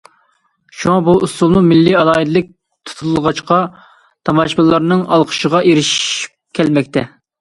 شۇڭا، بۇ ئۇسسۇلمۇ مىللىي ئالاھىدىلىك تۇتۇلغاچقا، تاماشىبىنلارنىڭ ئالقىشىغا ئېرىشىپ كەلمەكتە.